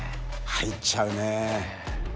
入っちゃうね。